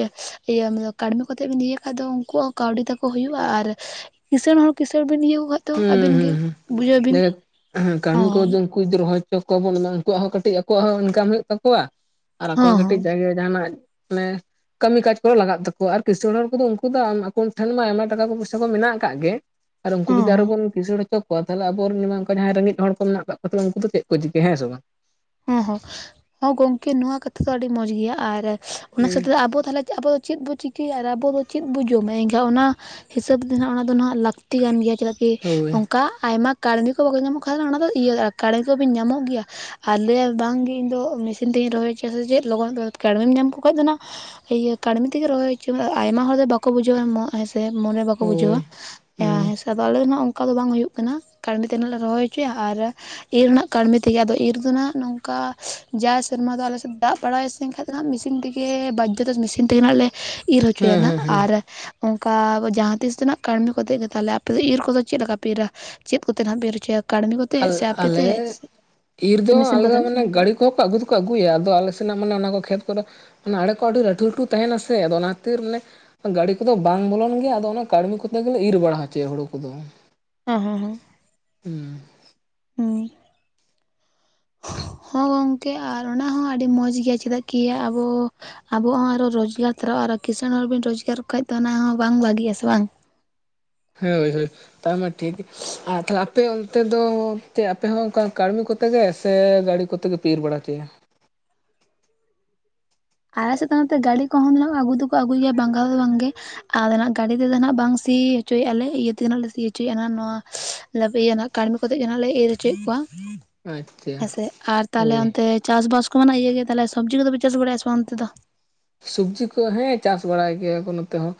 ᱤᱭᱟᱹ ᱠᱟᱹᱲᱢᱤ ᱠᱚᱛᱮ ᱵᱤᱱ ᱤᱭᱟᱹ ᱠᱷᱟᱡ ᱫᱚ ᱩᱱᱠᱩᱣᱟᱜ ᱠᱟᱹᱣᱰᱤ ᱛᱟᱠᱚ ᱦᱩᱭᱩᱜᱼᱟ, ᱟᱨ ᱠᱤᱸᱤᱥᱟᱹᱬ ᱦᱚᱲ ᱠᱤᱸᱥᱟᱹᱬ ᱵᱤᱱ ᱤᱭᱟᱹ ᱠᱟᱜ ᱫᱚ
ᱦᱩᱸ ᱦᱩᱸ
ᱟᱹᱵᱤᱱ ᱜᱮ
ᱦᱩᱸ
ᱵᱩᱡᱷᱟᱹᱣ ᱵᱤᱱ ᱚᱸᱻ
ᱩᱫ ᱨᱚᱦᱚᱭ ᱦᱚᱪᱚ ᱠᱚᱣᱟᱵᱚᱱ ᱮᱢᱟ ᱩᱱᱠᱩᱣᱟᱜ ᱦᱚᱸ ᱠᱟᱹᱴᱤᱡ ᱟᱠᱚᱣᱟᱜ ᱦᱚᱸ ᱤᱱᱠᱟᱢ ᱦᱩᱭᱩᱜ ᱛᱟᱠᱚᱣᱟ ᱟᱨ ᱟᱠᱚᱣᱟᱜᱴᱤᱡ
ᱦᱚᱸ
ᱴᱤᱡ ᱡᱟᱜᱮ ᱡᱟᱦᱟᱱᱟᱜ ᱚᱱᱮ ᱠᱟᱹᱢᱤ ᱠᱟᱡᱽ ᱠᱚᱨᱮ ᱞᱟᱜᱟᱜ ᱛᱟᱠᱣᱟ ᱟᱨ ᱠᱤᱥᱥᱟᱹᱬ ᱦᱚᱲ ᱠᱚᱫᱚ ᱩᱱᱠᱩ ᱫᱚ ᱟᱠ ᱴᱷᱮᱱ ᱢᱟ ᱟᱭᱢᱟ ᱴᱟᱠᱟ ᱠᱚ ᱯᱚᱭᱥᱟ ᱠᱚ ᱢᱮᱱᱟᱜ ᱠᱟᱫ ᱜᱮ, ᱟᱨ ᱩᱱᱠᱩ ᱡᱩᱫᱤ
ᱦᱚᱸ
ᱟᱨᱦᱚᱵᱚᱱ ᱠᱤᱥᱟᱹᱟᱹᱲ ᱦᱚᱪᱚ ᱠᱚᱣᱟ ᱛᱟᱦᱚᱞᱮ ᱟᱵᱚᱨᱮᱱ ᱡᱟᱦᱟᱸ ᱨᱮᱸᱜᱮᱡ ᱦᱚᱲ ᱠᱚ ᱢᱮᱱᱟᱜ ᱠᱟᱜ ᱠᱚᱛᱟ ᱵᱚᱱᱟ ᱩᱱᱠᱩ ᱫᱚ ᱪᱮᱫ ᱠᱚ ᱪᱤᱠᱟᱹᱭᱟ ᱦᱮᱸ ᱥᱮ ᱵᱟᱝ?
ᱦᱚᱸ-ᱦᱚᱸ, ᱦᱚᱸ ᱜᱚᱢᱠᱮ ᱱᱚᱣᱟ ᱠᱟᱛᱷᱟ ᱫᱚ ᱟᱹᱰᱤ ᱢᱚᱸᱡᱽ ᱜᱮᱭᱟ ᱟᱨ ᱚᱱᱟ ᱥᱟᱶᱛᱮ ᱟᱵᱚ ᱛᱟᱦᱚᱞᱮ ᱟᱵᱚ ᱪᱮᱫᱵᱚ ᱪᱤᱠᱟᱹᱭᱟ ᱟᱨ ᱟᱵᱚᱫᱚ ᱪᱮᱫ ᱵᱚ ᱡᱚᱢᱟ ᱮᱱᱠᱷᱟᱱ ᱚᱱᱟ ᱦᱤᱥᱟᱹᱵᱽ ᱫᱚ ᱱᱟᱦᱟᱜ ᱚᱱᱟᱫᱚ ᱱᱟᱦᱟᱜ ᱞᱟᱹᱠᱛᱤ ᱠᱟᱱ ᱜᱮᱭᱟ, ᱪᱮᱫᱟᱜ ᱮ
ᱦᱳᱭ
ᱚᱱᱠᱟ ᱟᱭᱢᱟ ᱠᱟᱬᱢᱤ ᱠᱚ ᱵᱟᱠᱚ ᱧᱟᱢᱚᱜ ᱠᱷᱟᱱ ᱚᱱᱟ ᱫᱚ ᱤᱭᱟᱹ ᱠᱟᱬᱮ [unintelligible] ᱠᱚᱵᱤᱱ ᱧᱟᱢᱚᱜ ᱜᱮᱭᱟ᱾ ᱟᱨ ᱞᱟᱹᱭᱟᱭ ᱵᱟᱝᱜᱮ ᱤᱧᱫᱚ ᱢᱮᱥᱤᱱ ᱛᱮᱤᱧ ᱨᱚᱦᱚᱭ ᱦᱚᱪᱚᱭᱟ ᱥᱮ ᱪᱮᱫ ᱞᱚᱜᱚᱱ ᱠᱟᱲᱢᱤᱢ ᱧᱟᱢᱠᱚ ᱠᱷᱟᱱ ᱫᱚ ᱦᱟᱸᱱᱟᱜ ᱤᱭᱟᱹ ᱠᱟᱹᱲᱢᱤ ᱛᱮᱜᱮ ᱨᱚᱦᱚᱭ ᱦᱚᱪᱚ ᱟᱭᱢᱟ ᱦᱚᱲ ᱫᱚ ᱵᱟᱠᱚ ᱵᱩᱡᱷᱟᱹᱣᱟ ᱦᱮᱸᱥᱮ ᱢᱚᱱᱮᱨᱮ ᱵᱟᱠᱚ
ᱦᱳᱭ
ᱵᱩᱡᱷᱟᱹᱣᱟ᱾
ᱦᱩᱸ
ᱦᱮᱸ ᱥᱮ ᱟᱫᱚ ᱟᱞᱮ ᱫᱚ ᱱᱟᱦᱟᱜ ᱚᱱᱠᱟ ᱫᱚ ᱵᱟᱝ ᱦᱩᱭᱩᱜ ᱠᱟᱱᱟ ᱠᱟᱰᱤ ᱛᱮ ᱱᱟᱜ ᱞᱮ ᱨᱚᱦᱚᱭ ᱦᱚᱪᱚᱭᱟ ᱟᱨ ᱤᱨ ᱦᱚ ᱱᱟᱦᱟᱜ ᱠᱟᱹᱲᱢᱤ ᱛᱮᱜᱮ ᱟᱫᱚ ᱤᱨ ᱫᱚ ᱱᱟᱦᱟᱜ ᱱᱚᱝᱠᱟ ᱡᱟ ᱥᱮᱨᱢᱟ ᱫᱚ ᱟᱞᱮᱥᱮᱫ ᱫᱟᱜ ᱵᱟᱲᱟᱭ ᱤᱥᱤᱱ ᱠᱷᱟᱱᱡ ᱫᱚ ᱱᱟᱦᱟᱜ ᱢᱮᱥᱤᱱ ᱛᱮ ᱜᱮ ᱵᱟᱡᱡᱚᱛ [unintelligible] ᱢᱮᱥᱤᱱ ᱛᱮᱜᱮ ᱟᱸᱜ ᱞᱮ ᱤᱨ ᱦᱚᱪᱚᱭᱟ
ᱦᱮᱸ
ᱱᱟᱜ,
ᱦᱮᱸ ᱦᱮᱸ
ᱟᱨ ᱚᱱᱠᱟ ᱡᱟᱦᱟᱸ ᱛᱤᱥ ᱛᱮᱱᱟᱜ ᱠᱟᱹᱢᱤ ᱠᱚ ᱠᱟᱛᱮ ᱜᱮ ᱛᱟᱦᱚᱞᱮ ᱟᱯᱮ ᱫᱚ ᱤᱨ ᱠᱚᱫᱚ ᱪᱮᱫ ᱞᱮᱠᱟ ᱯᱮ ᱤᱨᱟ? ᱪᱮᱫ ᱠᱚᱛᱮ ᱱᱟᱦᱟᱜ ᱯᱮ ᱤᱨ ᱪᱚᱭᱟ ᱠᱟᱹᱲᱢᱤ ᱠᱚᱛᱮ ᱥᱮ ᱟᱯᱮ ᱛᱮ ᱥᱮ
ᱤᱨᱫᱚ
ᱢᱮᱥᱤᱱ
ᱟᱞᱮᱫᱚ
ᱠᱚᱛᱮ?
ᱢᱟᱱᱮ ᱜᱟᱹᱲᱤ ᱠᱚᱦᱚᱸ ᱠᱚ ᱟᱹᱜᱩ ᱫᱚᱠᱚ ᱟᱹᱜᱩᱭᱟ ᱟᱫᱚ ᱟᱞᱮ ᱥᱮᱱᱟᱜ ᱢᱟᱱᱮ ᱚᱱᱟ ᱠᱚ ᱠᱷᱮᱛ ᱠᱚᱨᱮ ᱚᱱᱟ ᱟᱲᱮ ᱠᱚ ᱟᱹᱰᱤ ᱞᱟᱹᱴᱩ ᱞᱟᱹᱴᱩ ᱛᱟᱦᱮᱱᱟ ᱥᱮ ᱟᱫᱚ ᱚᱱᱟ ᱠᱷᱟᱹᱛᱤᱨ ᱟᱱᱮ ᱜᱟᱹᱰᱤ ᱠᱚᱫᱚ ᱵᱟᱝ ᱵᱚᱞᱚᱱ ᱜᱮᱭᱟ ᱟᱫᱚ ᱚᱱᱟ ᱠᱟᱹᱲᱢᱤ ᱠᱚᱛᱮ ᱜᱮᱞᱮ ᱤᱨ ᱵᱟᱲᱟ ᱦᱚᱪᱚᱭᱟ ᱦᱩᱲᱩ ᱠᱚᱫᱚ᱾
ᱦᱚᱸ, ᱦᱚᱸ-ᱦᱚᱸ᱾
ᱦᱩᱸ
ᱚᱸ ᱦᱚᱸ ᱜᱚᱝᱠᱮ ᱟᱨ ᱚᱱᱟ ᱦᱚᱸ ᱟᱹᱰᱤ ᱢᱚᱡᱽ ᱜᱮᱭᱟ ᱪᱮᱫᱟᱜ ᱠᱤ ᱟᱵᱚ ᱟᱵᱚ ᱦᱚᱸ ᱟᱨᱚ ᱨᱚᱡᱽᱜᱟᱨ ᱛᱟᱨᱟᱜᱼᱟ ᱟᱨᱚ ᱠᱤᱸᱥᱟᱹᱬ ᱦᱚᱲ ᱵᱚᱱ ᱨᱚᱡᱽᱜᱟᱨ ᱠᱷᱟᱡ ᱫᱚ ᱚᱱᱟ ᱦᱚᱸ ᱵᱟᱝ ᱵᱷᱟᱹᱜᱤ ᱟ ᱥᱮ ᱵᱟᱝ?
ᱦᱳᱭ ᱦᱳᱭ ᱛᱟᱭᱢᱟ ᱴᱷᱤᱠ ᱜᱮᱭᱟ ᱟᱨ ᱛᱟᱦᱞᱮ ᱟᱯᱮ ᱚᱱᱛᱮ ᱫᱚ ᱟᱯᱮ ᱦᱚᱸ ᱚᱱᱠᱟ ᱠᱟᱹᱲᱢᱤ ᱠᱚ ᱠᱚᱛᱮ ᱜᱮ ᱮᱥᱮ ᱜᱟᱹᱲᱤ ᱠᱚᱛᱮ ᱜᱮ ᱯᱤᱨ ᱵᱟᱲᱟ ᱦᱚᱪᱮᱭᱟ᱾
ᱟᱞᱮ ᱥᱮᱫ ᱱᱚᱛᱮ ᱜᱟᱹᱰᱤ ᱠᱚᱦᱚ ᱩᱱᱟᱹᱜ ᱟᱹᱜᱩ ᱫᱚᱠᱚ ᱟᱹᱜᱩ ᱜᱮᱭᱟ ᱵᱟᱝᱟᱜ ᱫᱚ ᱵᱟᱝᱜᱮ ᱟᱨ ᱟᱱᱟᱜ ᱜᱟᱹᱰᱤ ᱛᱮᱫᱚ ᱟᱸᱱᱟᱜ ᱵᱟᱝ ᱥᱤ ᱦᱚᱪᱚᱭᱮᱫᱼᱟᱞᱮ, ᱤᱭᱟᱹ ᱛᱮᱜᱮ ᱦᱟᱸᱜ ᱞᱮ ᱥᱤ ᱦᱚᱪᱚᱭᱮᱫᱼᱟ ᱱᱚᱣᱟ [inaudible] ᱠᱟᱹᱲᱢᱤ ᱠᱚ ᱠᱟᱛᱮᱜ ᱜᱮ ᱱᱟᱱᱟᱜ ᱞᱮ ᱤᱨ ᱦᱚᱪᱚᱭᱮᱫ ᱠᱚᱣᱟ᱾
ᱟᱪᱪᱷᱟ
ᱦᱮᱸᱥᱮ ᱟᱨ ᱛᱟᱦᱞᱮ
ᱦᱳᱭ
ᱚᱱᱛᱮ ᱪᱟᱥᱼᱵᱟᱥ ᱠᱚᱢᱟ ᱤᱭᱟᱹ ᱜᱮ ᱛᱟᱞᱮ ᱥᱚᱵᱡᱤ ᱠᱚᱫᱚᱯᱮ ᱪᱟᱥ ᱵᱟᱲᱟᱭᱟ ᱥᱮ ᱚᱱᱛᱮ ᱫᱚ?
ᱥᱚᱵᱡᱤ ᱠᱚ ᱦᱮᱸ ᱪᱟᱥ ᱵᱟᱲᱟᱭ ᱜᱮᱭᱟ ᱠᱚ ᱱᱚᱛᱮ ᱦᱚᱸ,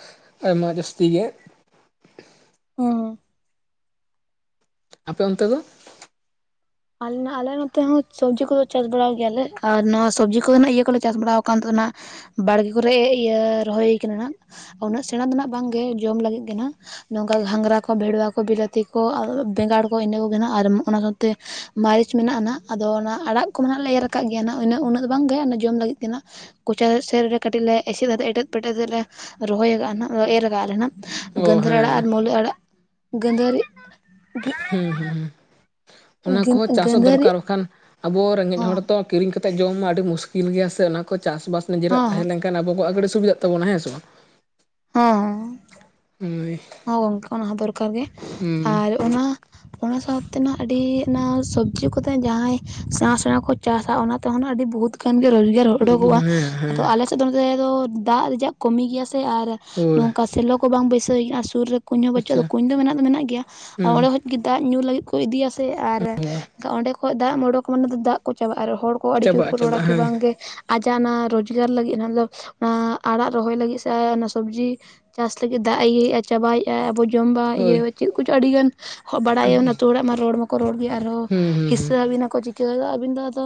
ᱟᱭᱢᱟ ᱡᱟᱹᱥᱛᱤ ᱜᱮ᱾
ᱦᱚᱸᱻ
ᱟᱯᱮ ᱚᱱᱛᱮ ᱫᱚ?
ᱟᱞᱮ ᱟᱞᱮ ᱱᱚᱛᱮ ᱦᱚᱸ ᱥᱚᱵᱽᱡᱤ ᱠᱚᱫᱚ ᱪᱟᱥ ᱵᱟᱲᱟᱭ ᱜᱮᱭᱟᱞᱮ ᱟᱨ ᱱᱚᱣᱟ ᱥᱚᱵᱽᱡᱤ ᱠᱚᱫᱚᱱᱟᱜ ᱤᱭᱟᱹ ᱠᱚᱞᱮ ᱪᱟᱥ ᱵᱟᱲᱟᱣ ᱠᱟᱱᱟᱱ ᱛᱟᱦᱮᱱᱟ᱾ ᱵᱟᱲᱜᱮ ᱠᱚᱨᱮᱜ ᱤᱭᱟᱹ ᱨᱚᱦᱚᱭ ᱠᱟᱱᱟ ᱱᱟᱜ ᱩᱱᱟᱹᱜ ᱥᱮᱬᱟ ᱫᱚ ᱱᱟᱜ ᱵᱟᱝᱜᱮ ᱡᱚᱢ ᱞᱟᱹᱜᱤᱫ ᱜᱮ ᱱᱟᱜ ᱱᱚᱝᱠᱟ ᱜᱷᱟᱸᱝᱽᱨᱟ ᱠᱚ ᱵᱷᱮᱰᱣᱟ ᱠᱚ ᱵᱤᱞᱟᱹᱛᱤ ᱠᱚ ᱵᱮᱸᱜᱟᱲ ᱠᱚ ᱤᱱᱟᱹ ᱠᱚᱜᱮ ᱟᱨ ᱚᱱᱟ ᱥᱟᱶᱛᱮᱼᱼ ᱢᱟᱹᱨᱤᱪ ᱢᱮᱱᱟᱜᱼᱟ ᱟᱫᱚ ᱚᱱᱟ ᱟᱲᱟᱜ ᱠᱚᱢᱟ ᱱᱟᱱᱟᱜ ᱞᱮ ᱮᱨ ᱠᱟᱜ ᱜᱮᱭᱟ ᱦᱩᱱᱟᱹ ᱩᱱᱟᱹᱜ ᱫᱚ ᱵᱟᱝ ᱜᱮ ᱚᱱᱟ ᱡᱚᱢ ᱞᱟᱹᱜᱤᱫ ᱛᱮ ᱦᱟᱜ ᱠᱚᱪᱟ ᱥᱮᱨ ᱨᱮ ᱠᱟᱹᱴᱤᱡ ᱞᱮ ᱮᱥᱮᱫ ᱠᱟ ᱮᱴᱮᱫ ᱯᱮᱴᱮᱫ ᱞᱮ ᱨᱚᱦᱚᱭ ᱠᱟᱜᱼᱱᱟᱜ ᱮᱨ ᱠᱟᱜ ᱞᱮ ᱦᱟᱸᱜ
ᱚ
ᱜᱟᱺᱫᱷᱟᱹᱨᱤ ᱟᱲᱟᱜ ᱟᱨ
ᱦᱮᱸ
ᱢᱟᱹᱞᱤ ᱟᱲᱟᱜ ᱜᱟᱺᱫᱷᱟᱹᱨᱤ ᱫᱷᱤ
ᱦᱩᱸ ᱦᱩᱸ ᱦᱩᱸ ᱚᱱᱟ ᱠᱚᱦᱚᱸ ᱪᱟᱥ ᱦᱚᱸ
ᱜᱟᱹᱫᱷᱟᱹᱨᱤ
ᱫᱚᱨᱠᱟᱨ ᱵᱟᱠᱷᱟᱱ ᱟᱵᱚ ᱨᱮᱸᱜᱮᱡ
ᱦᱚᱸ
ᱦᱚᱲ ᱛᱚ ᱠᱤᱨᱤᱧ ᱠᱟᱛᱮ ᱡᱚᱢ ᱢᱟ ᱟᱹᱰᱤ ᱢᱩᱥᱠᱤᱞ ᱜᱮᱭᱟ ᱥᱮ, ᱚᱱᱟ ᱠᱚ ᱪᱟᱥ ᱵᱟᱥ ᱱᱤᱡᱮᱨᱟᱜ ᱛᱟᱦᱮᱸ
ᱦᱚᱸ
ᱞᱮᱱ ᱟᱵᱚ ᱠᱚᱣᱟᱜ ᱠᱟᱴᱤᱡᱽ ᱥᱩᱵᱤᱫᱷᱟ ᱛᱟᱵᱚᱱᱟ ᱦᱮᱸ ᱥᱮ ᱵᱟᱝ?
ᱦᱳᱭ
ᱢᱟᱹᱚᱭ
ᱦᱚᱸ ᱜᱚᱝᱠᱮ ᱚᱱᱟ ᱦᱚᱸ ᱫᱚᱨᱠᱟᱨ ᱜᱮ ᱟᱨ ᱚᱱᱟ ᱚᱱᱟ ᱥᱟᱶᱛᱮ ᱢᱟ ᱟᱹᱰᱤ ᱚᱱᱟ ᱥᱚᱵᱡᱤ ᱠᱚᱛᱮ ᱡᱟᱦᱟᱸᱭ ᱥᱮᱬᱟ ᱥᱮᱬᱟ ᱠᱚ ᱪᱟᱥᱟ ᱚᱱᱟ ᱛᱮᱦᱚᱸᱱᱟᱜ ᱟᱹᱰᱤ ᱵᱚᱦᱩᱛ ᱜᱟᱱ ᱜᱮ ᱨᱚᱡᱽᱜᱟᱨ ᱩᱰᱩᱠᱚᱜᱼᱟ
ᱦᱩᱸ ᱦᱮᱸ
ᱟᱫᱚ
ᱦᱮᱸ
ᱟᱞᱮ ᱱᱚᱛᱮ ᱫᱚ ᱫᱟᱜ ᱨᱮᱭᱟᱜ ᱠᱚᱢᱤ ᱜᱮᱭᱟ ᱥᱮ ᱟᱨ
ᱦᱳᱭ
ᱱᱚᱝᱠᱟ ᱥᱮᱞᱚ ᱠᱚ ᱵᱟᱝ ᱵᱟᱹᱭᱥᱟᱹᱣ-ᱟ ᱥᱩᱨ ᱨᱮ ᱠᱩᱧ ᱦᱚᱸ ᱵᱟᱹᱪᱩᱜ
ᱟᱪᱪᱷᱟ
ᱟᱼᱟ ᱠᱩᱧ ᱫᱚ ᱢᱮᱱᱟᱜ ᱫᱚ ᱢᱮᱱᱟᱜ ᱜᱮᱭᱟ ᱟᱨ
ᱦᱩᱸ
ᱚᱸᱰᱮ ᱠᱷᱚᱱ ᱜᱮ ᱫᱟᱜ ᱧᱩ ᱞᱟᱹᱜᱤᱫ ᱠᱚ ᱤᱫᱤᱭᱟ ᱥᱮ ᱟᱨ ᱚᱸᱰᱮ ᱠᱷᱚᱡ ᱫᱟᱜ ᱚᱰᱚᱠ ᱢᱟᱱᱮ ᱫᱚ ᱫᱟᱜ ᱠᱚ ᱪᱟᱵᱟᱜᱼᱟ ᱟᱨ ᱦᱚᱲ ᱠᱚ ᱟᱹᱰᱤ ᱡᱳᱨ
ᱪᱟᱵᱟᱜᱼᱟ
ᱠᱚ ᱨᱚᱲᱟ
ᱪᱟᱵᱟᱜᱼᱟ
ᱠᱤ
ᱦᱮᱸ
ᱵᱟᱝᱜᱮ ᱟᱡᱟᱜ ᱚᱱᱟ ᱨᱳᱡᱽᱜᱟᱨ ᱞᱟᱹᱜᱤᱫ [inaudible] ᱚᱱᱟ ᱟᱲᱟᱜ ᱨᱚᱦᱚᱭ ᱞᱟᱹᱜᱤᱫ ᱥᱮ ᱚᱱᱟ ᱥᱚᱵᱡᱤ ᱪᱟᱥ ᱞᱟᱹᱜᱤᱫ ᱫᱟᱜ ᱮ ᱤᱭᱟᱹᱮᱫᱼᱟ ᱪᱟᱵᱟᱭᱮᱫᱼᱟ ᱟᱵᱚ ᱡᱚᱢ ᱵᱟ ᱤᱭᱟᱹ
ᱦᱳᱭ
ᱪᱮᱫ ᱠᱚᱪᱚᱝ ᱟᱹᱰᱤᱜᱟᱱ ᱵᱟᱰᱟᱭᱟ ᱚᱱᱟ ᱟᱹᱛᱩ ᱚᱲᱟᱜ ᱢᱟ ᱨᱚᱲ ᱢᱟᱠᱚ ᱨᱚᱲ ᱜᱮ ᱟᱨᱦᱚᱸ
ᱦᱩᱸ ᱦᱩᱸ ᱦᱩᱸ
ᱦᱤᱥᱥᱟᱹ ᱟᱹᱵᱤᱱᱟᱠᱚ ᱪᱤᱠᱟᱹ ᱟᱹᱵᱤᱱ ᱫᱚ ᱟᱫᱚ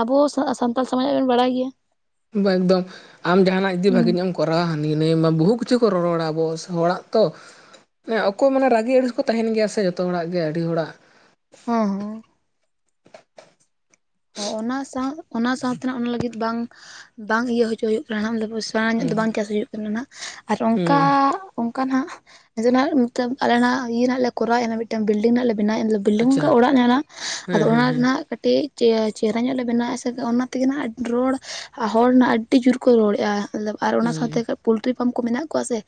ᱟᱵᱚ ᱥᱟᱱᱛᱟᱲ ᱥᱚᱢᱟᱡᱽᱟᱜ ᱵᱤᱱ ᱵᱟᱰᱟᱭ ᱜᱮᱭᱟ᱾
ᱮᱠᱫᱚᱢ ᱟᱢ ᱡᱟᱦᱟᱱᱟᱜ ᱡᱩᱫᱤ ᱵᱷᱟᱜᱤ
ᱦᱮᱸ
ᱧᱚᱜ ᱮᱢ ᱠᱚᱨᱟᱣ ᱦᱟᱱᱤ ᱱᱟᱭ ᱢᱟ ᱵᱚᱦᱩ ᱠᱤᱪᱷᱩ ᱠᱚ ᱨᱚᱼᱨᱚᱲᱟ ᱟᱵᱚ ᱦᱚᱲᱟᱜ ᱛᱚᱮ ᱚᱠᱚᱭ
ᱦᱮᱸ
ᱢᱟᱱᱮ ᱨᱟᱹᱜᱤ ᱟᱹᱲᱤᱥ ᱠᱚ ᱛᱟᱦᱮᱱ ᱜᱮᱭᱟ ᱥᱮ ᱡᱚᱛᱚ ᱦᱚᱲᱟᱜ ᱜᱮ ᱟᱹᱰᱤ ᱦᱚᱲᱟᱜ
ᱦᱚᱸ᱾ ᱚ ᱚᱱᱟ ᱥᱟᱶ ᱚᱱᱟ ᱥᱟᱶᱛᱮ ᱚᱱᱟ ᱞᱟᱹᱜᱤᱫ ᱵᱟᱝ ᱵᱟᱝ ᱤᱭᱟᱹ ᱦᱚᱪᱚ ᱦᱩᱭᱩᱜ ᱠᱟᱱᱟ ᱱᱟᱜ [inaudible] ᱯᱚᱭᱥᱟ ᱞᱟᱦᱟ ᱧᱚᱜ ᱫᱚ ᱵᱟᱝ ᱪᱟᱥ ᱦᱩᱭᱩᱜ ᱠᱟᱱᱟ ᱱᱟᱦᱟᱜ ᱟᱨ ᱚᱱᱠᱟ
ᱦᱩᱸ
ᱚᱱᱠᱟ ᱦᱟᱸᱜ ᱟᱫᱱᱟᱜ ᱢᱚᱛᱞᱚᱵ ᱟᱞᱮᱦ ᱤᱭᱟᱹ ᱱᱟᱜ ᱞᱮ ᱠᱚᱨᱟᱣ ᱮ ᱢᱤᱫᱴᱮᱱ ᱵᱤᱞᱰᱤᱝᱱᱟᱜ ᱞᱮ ᱵᱮᱱᱟᱣᱮᱫ ᱵᱤᱞᱰᱝ
ᱟᱪᱪᱷᱟ
ᱚᱱᱠᱟ ᱚᱲᱟᱜ ᱧᱮᱞᱟ, ᱟᱫᱚ
ᱦᱮᱸ
ᱚᱱᱟ
ᱦᱮᱸ ᱦᱮᱸ
ᱨᱮᱱᱟᱜ ᱠᱟᱹᱴᱤᱡ ᱪᱮ ᱪᱮᱦᱨᱟ ᱧᱚᱜ ᱞᱮ ᱵᱮᱱᱟᱣᱮᱫᱼᱟ ᱥᱮ ᱚᱱᱟᱛᱮᱜᱮ ᱱᱟᱦᱟᱜ ᱨᱚᱲ ᱦᱚᱲᱱᱟᱜ ᱟᱹᱰᱤ ᱡᱳᱨᱠᱚ ᱨᱚᱲᱮᱜᱼᱟ᱾ ᱟᱨ ᱚᱱᱟ
ᱦᱩᱸ
ᱥᱟᱶᱛᱮ ᱯᱳᱞᱴᱨᱤ ᱯᱷᱟᱨᱢ ᱠᱚ ᱢᱮᱱᱟᱜ ᱠᱚᱣᱟ ᱥᱮ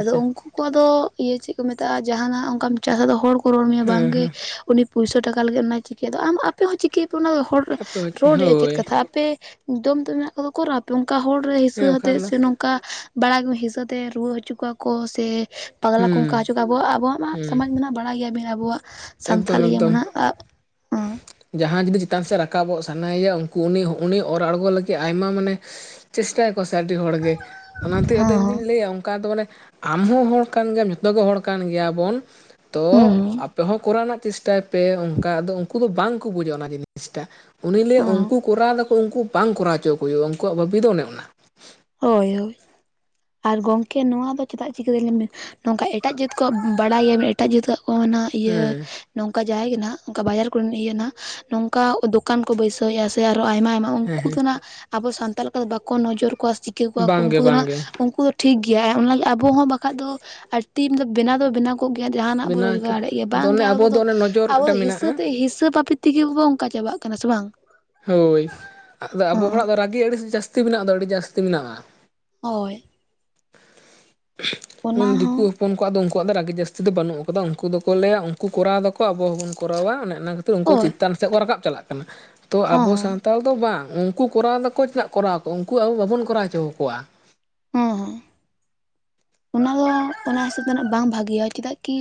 ᱟᱫᱚ ᱩᱱᱠᱩ ᱩᱱᱚᱣᱟᱜ ᱫᱚ ᱤᱭᱟᱹ ᱪᱮᱫ ᱠᱚ ᱢᱮᱛᱟᱜᱼᱟ ᱡᱟᱦᱟᱱᱟᱜ ᱚᱱᱠᱟᱢ ᱪᱟᱥᱟ ᱫᱚ ᱦᱚᱲ ᱠᱚ ᱨᱚᱲ ᱢᱮᱭᱟ
ᱦᱮᱸ ᱦᱮᱸ
ᱵᱟᱝᱜᱮ ᱩᱱᱤ ᱯᱩᱭᱥᱟ ᱴᱟᱠᱟ ᱞᱟᱹᱜᱤᱫ ᱚᱱᱟ ᱪᱤᱠᱟᱹ ᱟᱢ ᱟᱯᱮ ᱦᱚᱸ ᱪᱤᱠᱟᱹᱭᱟᱯᱮ ᱚᱱᱟ ᱦᱚᱲ
ᱟᱯᱮ
ᱨᱚᱲ ᱨᱮᱭᱟᱜ ᱪᱮᱫ
ᱦᱳᱭ
ᱠᱟᱛᱷᱟ ᱟᱯᱮ ᱫᱚᱢ ᱫᱚ ᱢᱮᱱᱟᱜ ᱠᱟᱫᱟ ᱚᱠᱚᱨᱟᱯᱮ ᱚᱱᱠᱟ ᱦᱚᱲ ᱨᱮ
ᱦᱮᱸ
ᱦᱤᱥᱟᱹ
ᱵᱟᱠᱷᱟᱱ
ᱟᱛᱮ
ᱫᱚ
ᱥᱮ ᱱᱚᱝ ᱚᱱᱠᱟ ᱵᱟᱲᱟ [unintelligible] ᱦᱤᱥᱟᱹ ᱛᱮ ᱨᱩᱣᱟᱹ ᱦᱚᱪᱚ ᱠᱚᱣᱟ ᱠᱚ ᱥᱮ ᱯᱟᱜᱞᱟ ᱠᱚᱝᱠᱟ
ᱦᱩᱸ
ᱦᱚᱪᱚᱼᱟ ᱟᱵᱚᱣᱟᱜ ᱟᱵᱚᱣᱟᱜ ᱢᱟ
ᱦᱩᱸ
ᱥᱚᱢᱟᱡᱽ ᱢᱟ ᱵᱟᱲᱟᱭ ᱜᱮᱭᱟ ᱵᱮᱱ ᱟᱵᱚᱣᱟᱜ
ᱮᱠᱫᱚᱢ
ᱥᱟᱱᱛᱷᱟᱞᱤᱭᱟᱹ
ᱮᱠᱫᱚᱢ
ᱢᱟᱱᱮᱜ ᱟᱜ
ᱡᱟᱦᱟᱸᱭ ᱡᱩᱫᱤ ᱪᱮᱛᱟᱱ ᱥᱮᱫ ᱨᱟᱠᱟᱵᱚᱜ ᱥᱟᱱᱟᱭᱮᱭᱟ ᱩᱱᱠᱩ ᱩᱱᱤ ᱩᱱᱤ ᱚᱨ ᱟᱬᱜᱚ ᱞᱟᱹᱜᱤᱫ ᱟᱭᱢᱟ ᱢᱟᱱᱮ ᱪᱮᱥᱴᱟᱭᱠᱚ ᱥᱮ ᱟᱹᱰᱤ ᱦᱚᱲᱜᱮ ᱚᱱᱟᱛᱮ ᱟᱫᱚ ᱤᱧᱫᱩᱧ
ᱦᱚᱸ
ᱞᱟᱹᱭᱟ ᱚᱱᱠᱟ ᱫᱚ ᱢᱟᱱᱮ ᱟᱢᱦᱚᱸ ᱦᱚᱲ ᱠᱟᱱ ᱜᱮᱭᱟᱢ ᱡᱚᱛᱚᱜᱮ ᱦᱚᱲ ᱠᱟᱱ ᱜᱮᱭᱟ ᱵᱚᱱ ᱛᱚ
ᱦᱚᱸ
ᱟᱯᱮ ᱦᱚᱸ ᱠᱚᱨᱟᱣ ᱨᱮᱱᱟᱜ ᱪᱮᱥᱴᱟᱭ ᱯᱮ ᱚᱱᱠᱟ ᱟ ᱩᱱᱠᱩ ᱫᱚ ᱵᱟᱝᱠᱚ ᱵᱩᱡᱟᱼᱟ ᱚᱱᱟ ᱡᱤᱱᱤᱥᱴᱟ, ᱩᱱᱤ ᱞᱟᱹᱭ
ᱦᱚᱸ
ᱩᱱᱠᱩ ᱠᱚᱨᱟᱣ ᱫᱚᱯᱮ ᱩᱱᱠᱩ ᱵᱟᱝ ᱠᱚᱨᱟᱣ ᱦᱚᱪᱚ ᱠᱚ ᱦᱩᱭᱩᱜᱼᱟ ᱩᱱᱠᱩᱣᱟᱜ ᱵᱟᱹᱵᱤ ᱫᱚ ᱚᱱᱮ ᱚᱱᱟ᱾
ᱦᱳᱭ ᱦᱳᱭ, ᱟᱨ ᱜᱚᱢᱠᱮ ᱱᱚᱣᱟ ᱫᱚ ᱪᱮᱫᱟᱜ ᱪᱤᱠᱟᱹᱛᱮᱞᱮ ᱢᱮ ᱱᱚᱝᱠᱟ ᱮᱴᱟᱜ ᱡᱟᱹᱛ ᱠᱚᱣᱟᱜ ᱵᱟᱲᱟᱭᱟ ᱮᱴᱟᱜ ᱡᱟᱹᱛ ᱣᱟᱜ ᱠᱚ ᱚᱱᱟ ᱤᱭᱟᱹ
ᱦᱮᱸ
ᱱᱚᱝᱠᱟ ᱡᱟᱭ ᱜᱮᱱᱦᱟᱜ ᱱᱚᱝᱠᱟ ᱵᱟᱡᱟᱨ ᱠᱚᱨᱮ ᱤᱭᱟᱹᱱᱟ ᱱᱚᱝᱠᱟ ᱫᱚᱠᱟᱱ ᱠᱚ ᱵᱟᱹᱭᱥᱟᱹᱣᱮᱫᱼᱟ ᱥᱮ ᱟᱨᱚ ᱟᱭᱢᱟ ᱟᱭᱢᱟ ᱩᱱᱠᱩ ᱫᱚᱱᱟᱜ ᱟᱵᱚ ᱥᱟᱱᱛᱟᱞ ᱞᱮᱠᱟ ᱵᱟᱠᱚ ᱱᱚᱡᱚᱨ ᱠᱚᱣᱟ ᱪᱤᱠᱟᱹ ᱠᱚᱣᱟ ᱠᱚ
ᱵᱟᱝᱜᱮ
ᱩᱱᱠᱩ ᱫᱚ ᱱᱟᱜ
ᱵᱟᱝᱜᱮ
ᱩᱱᱠᱩ ᱫᱚ ᱴᱷᱤᱠ ᱜᱮᱭᱟ ᱚᱱᱟ ᱟᱵᱚ ᱦᱚᱸ ᱵᱟᱠᱷᱟᱡ ᱫᱚ ᱟᱨ ᱛᱤᱢ ᱫᱚ ᱵᱮᱱᱟᱣ ᱫᱚ ᱵᱮᱱᱟᱣ ᱜᱮᱭᱟ ᱡᱟᱦᱟᱱᱟᱜ ᱵᱚ
ᱵᱮᱱᱟᱣ
ᱨᱳᱡᱽᱜᱟᱨ ᱫᱟᱲᱮᱭᱟᱜ ᱜᱮᱭᱟ ᱵᱟᱝ
ᱟᱫᱚ
ᱜᱮ
ᱚᱱᱮ
ᱟᱵᱚ ᱫᱚ
ᱚᱱᱮ ᱱᱚᱡᱚᱨ
ᱟᱵᱚ
ᱢᱤᱫᱴᱟᱝ
ᱦᱤᱥᱟᱹ
ᱢᱮᱱᱟᱜᱼᱟ
ᱛᱮ ᱦᱤᱥᱟᱹ ᱵᱟᱹᱵᱤᱛ ᱛᱮᱜᱮ ᱠᱚᱠᱚ ᱚᱱᱠᱟ ᱪᱟᱵᱟᱜ ᱠᱟᱱᱟ ᱥᱮ ᱵᱟᱝ
ᱦᱳᱭ ᱟᱫᱚ ᱟᱵᱚ ᱦᱚᱲᱟᱜ
ᱦᱚᱸ
ᱫᱚ ᱨᱟᱹᱜᱤ ᱟᱹᱰᱤ ᱡᱟᱹᱥᱛᱤ ᱢᱮᱱᱟᱜ ᱫᱚ ᱟᱹᱰᱤ ᱡᱟᱹᱥᱛᱤ ᱢᱮᱱᱟᱜᱼᱟ
ᱦᱳᱭ᱾
ᱢᱮᱱ
ᱚᱱᱟ ᱦᱚᱸ
ᱫᱤᱠᱩ ᱦᱚᱯᱚᱱ ᱠᱚᱣᱟᱜ ᱫᱚ ᱩᱱᱠᱩᱣᱟᱜ ᱫᱚ ᱨᱟᱹᱜᱤ ᱡᱟᱹᱥᱛᱤ ᱫᱚ ᱵᱟᱹᱱᱩᱜ ᱟᱠᱟᱫᱟ ᱩᱱᱠᱩ ᱫᱚᱠᱚ ᱞᱟᱹᱭᱟ ᱩᱱᱠᱩ ᱠᱚᱨᱟᱣ ᱮᱫᱟᱠᱚ ᱟᱵᱚ ᱦᱚᱸᱵᱚᱱ ᱠᱚᱨᱟᱣᱟ ᱚᱱᱮ ᱚᱱᱟ ᱠᱷᱟᱹᱛᱤᱨ ᱩᱱᱠᱩ
ᱦᱳᱭ
ᱪᱮᱛᱟᱱ ᱥᱮᱫ ᱠᱚ ᱨᱟᱠᱟᱵ ᱪᱟᱞᱟᱜ ᱠᱟᱱᱟ ᱛᱚ
ᱦᱚᱸ
ᱟᱵᱚ
ᱦᱚᱸ
ᱥᱟᱱᱛᱟᱞ ᱫᱚ ᱵᱟᱝ ᱩᱱᱠᱩ ᱠᱚᱨᱟᱣ ᱮᱟᱠᱚ ᱪᱮᱫᱟᱜ ᱠᱚᱨᱟᱣ ᱠᱚᱣᱟ ᱩᱱᱠᱩ ᱟᱵᱚ ᱵᱟᱵᱚᱱ ᱠᱚᱨᱟᱣ ᱦᱚᱪᱚ ᱟᱠᱚᱣᱟ᱾
ᱦᱩᱸ ᱦᱩᱸ᱾ ᱚᱱᱟ ᱫᱚ ᱚᱱᱟ ᱦᱤᱥᱟᱹᱵᱽ ᱫᱚ ᱵᱟᱝ ᱵᱷᱟᱜᱮᱭᱟ ᱪᱮᱫᱟᱜ ᱠᱤ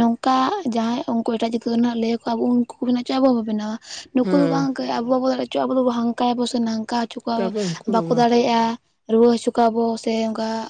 ᱱᱚᱝᱠᱟ ᱡᱟᱦᱟᱸᱭ ᱩᱱᱠᱩ ᱮᱴᱟᱜ ᱡᱟᱹᱛ ᱞᱟᱹᱭ ᱠᱚᱣᱟ ᱵᱩᱝ ᱩᱱᱠᱩ ᱠᱚ ᱵᱮᱱᱟ ᱦᱚᱪᱚ ᱟᱵᱚᱵᱚ ᱵᱮᱱᱟᱣᱟ ᱱᱩᱠᱩ ᱫᱚ
ᱦᱮᱸ
ᱵᱟᱝ ᱟᱵᱚ ᱵᱟᱵᱚᱱ ᱫᱟᱲᱮ ᱦᱚ ᱟᱵᱚ ᱫᱚᱵ ᱦᱥᱝᱠᱟ ᱭᱟᱵᱚᱱ ᱥᱮ ᱱᱷᱟᱝᱠᱟ ᱦᱚᱪᱚ ᱠᱚᱣᱟ
ᱟᱵᱚ ᱩᱱᱠᱩ ᱫᱚ
ᱵᱟᱠᱚ
ᱵᱟᱝ
ᱫᱟᱲᱮᱭᱟᱜᱼᱟ ᱨᱩᱣᱟᱹ ᱦᱚᱪᱚ ᱠᱚᱣᱟ ᱵᱚ ᱥᱮ ᱚᱱᱠᱟᱚᱱ